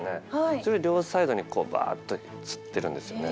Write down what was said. それ両サイドにバッとつってるんですよね。